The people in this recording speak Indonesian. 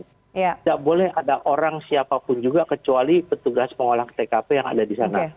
tidak boleh ada orang siapapun juga kecuali petugas pengolah tkp yang ada di sana